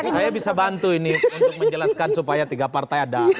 saya bisa bantu ini untuk menjelaskan supaya tiga partai ada